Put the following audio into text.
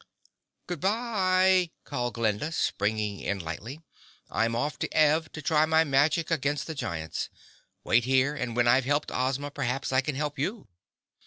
"Good bye!" called Glinda, springing in lightly. "I'm off to Ev to try my magic against the giant's. Wait here and when I've helped Ozma perhaps I can help you!"